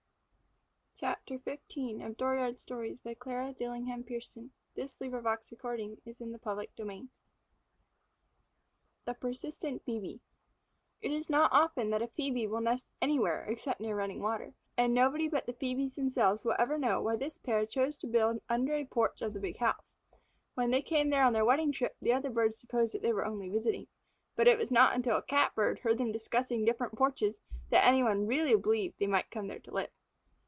I want to give Silvertip some cream. He is so very hungry that he most had to eat up a Robin, only I wouldn't let him." THE PERSISTENT PHŒBE It is not often that a Phœbe will nest anywhere except near running water, and nobody but the Phœbes themselves will ever know why this pair chose to build under a porch of the big house. When they came there on their wedding trip the other birds supposed that they were only visiting, and it was not until a Catbird heard them discussing different porches that any one really believed they might come there to live.